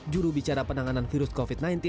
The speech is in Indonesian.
juru bicara penanganan virus covid sembilan belas